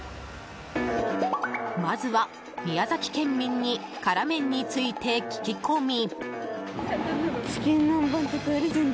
まずは、宮崎県民に辛麺について聞き込み。